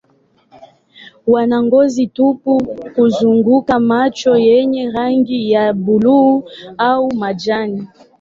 Wana ngozi tupu kuzunguka macho yenye rangi ya buluu au majani.